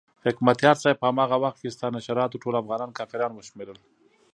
حکمتیار صاحب په هماغه وخت کې ستا نشراتو ټول افغانان کافران وشمېرل.